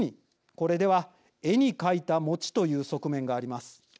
これでは絵に描いた餅という側面があります。